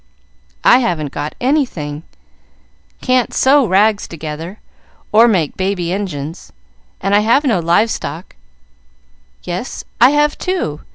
"I haven't got anything. Can't sew rags together; or make baby engines, and I have no live stock yes, I have too!